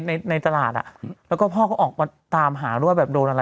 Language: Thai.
ในในตลาดอ่ะอืมแล้วก็พ่อก็ออกมาตามหาด้วยว่าแบบโดนอะไร